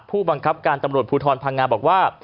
ผู้บังคับการตำรวจภูทรพังงาบอกว่า